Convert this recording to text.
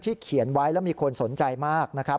เขียนไว้แล้วมีคนสนใจมากนะครับ